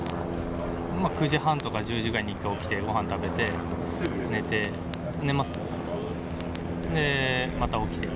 ９時半とか１０時ぐらいに起きて、ごはん食べて、すぐ寝て、寝ます、で、また起きて。